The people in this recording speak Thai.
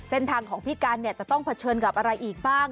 เส้นทางของพี่กันเนี่ยจะต้องเผชิญกับอะไรอีกบ้าง